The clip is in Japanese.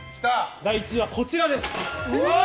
第１位はこちらです。